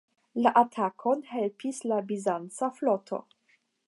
La atakon helpis la bizanca floto.